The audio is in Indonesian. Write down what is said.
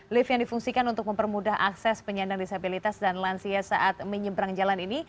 lift yang difungsikan untuk mempermudah akses penyandang disabilitas dan lansia saat menyeberang jalan ini